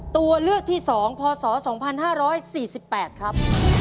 ตัวเลือกที่๒พศ๒๕๔๘ครับ